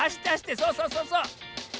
そうそうそうそう。